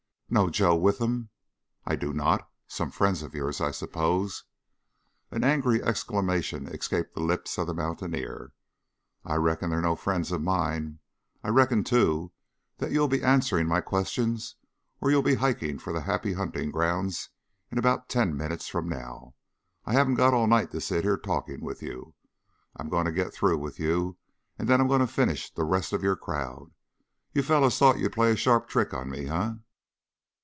"Know Joe Withem?" "I do not. Some friend of yours, I suppose?" An angry exclamation escaped the lips of the mountaineer. "I reckon they're no friends of mine. I reckon, too, that you'll be answering my questions or you'll be hiking for the Happy Hunting Grounds in about ten minutes from now. I haven't got all night to sit here talking with you. I've got to git through with you; then I'm going to finish the rest of your crowd. You fellows thought you'd play a sharp trick on me, eh?"